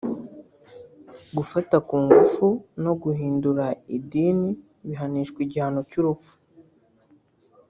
gufata ku ngufu no guhindura idini bihanishwa igihano cy’urupfu